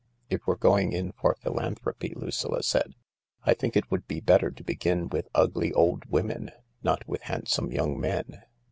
" If we're going in for philanthopy," Lucilla said, " I think it would be better to begin with ugly old women— not with handsome young men."